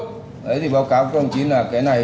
thế thì báo cáo công chí là cái này